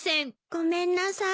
ごめんなさい。